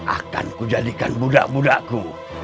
akan kujadikan budak budakku